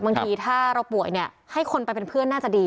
บางทีถ้าเราป่วยเนี่ยให้คนไปเป็นเพื่อนน่าจะดี